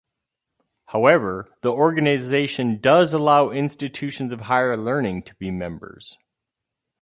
However, the organization does allow institutions of higher learning to be members.